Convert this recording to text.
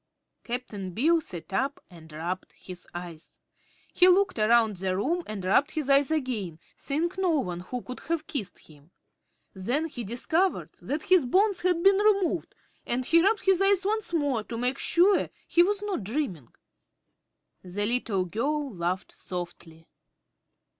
Cap'n Bill sat up and rubbed his eyes. He looked around the room and rubbed his eyes again, seeing no one who could have kissed him. Then he discovered that his bonds had been removed and he rubbed his eyes once more to make sure he was not dreaming. The little girl laughed softly.